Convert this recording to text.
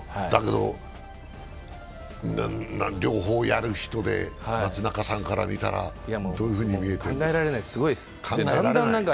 だけど両方やる人で松中さんから見たらどういうふうに見えてますか？